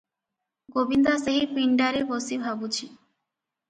ଗୋବିନ୍ଦା ସେହି ପିଣ୍ତାରେ ବସି ଭାବୁଛି ।